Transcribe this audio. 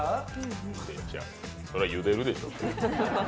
そりゃ、ゆでるでしょう。